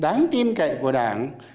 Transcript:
đáng tin cảnh của đảng